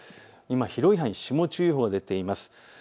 今、広い範囲で霜注意報が出ています。